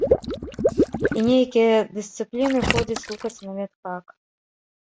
І нейкія дысцыпліны ходзіць слухаць на медфак.